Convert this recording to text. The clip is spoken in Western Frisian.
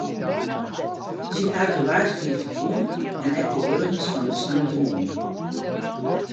Syn argewaasje wie ferdwûn en ek de wurgens fan de saterdeitemoarn.